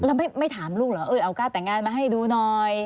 แล้วไม่ถามลูกเหรอเออเอาการ์ดแต่งงานมาให้ดูหน่อย